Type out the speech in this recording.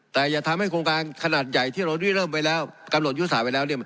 แต่อย่าทำให้โครงการขนาดใหญ่ที่เรากำหนดยุทธศาสตร์ไปแล้ว